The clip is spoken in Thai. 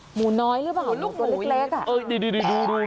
หมูน้อยหรือเปล่าหมูตัวเล็กอะ